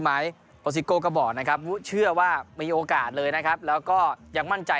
โปรซิโก้ก็บอกนะครับวุเชื่อว่ามีโอกาสเลยนะครับแล้วก็ยังมั่นใจ